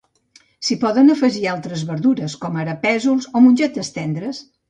S'hi poden afegir altres verdures, com ara pèsols o mongetes tendres.